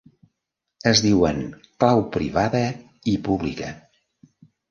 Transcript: Es diuen clau privada i pública.